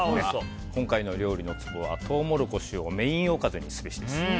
今回の料理のツボはトウモロコシをメインおかずにすべしです。